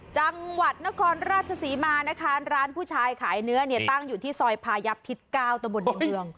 จังหวัดนครราชศรีมานะคะร้านผู้ชายขายเนื้อเนี่ยตั้งอยู่ที่ซอยพายับทิศ๙ตะบนในเมือง